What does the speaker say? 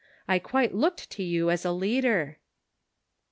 I quite looked to you as a leader."